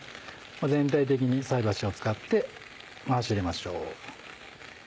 全体的に菜箸を使って回し入れましょう。